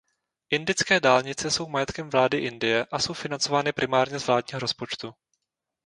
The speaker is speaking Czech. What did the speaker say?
Indické dálnice jsou majetkem vlády Indie a jsou financovány primárně z vládního rozpočtu.